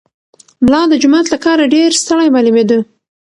ملا د جومات له کاره ډېر ستړی معلومېده.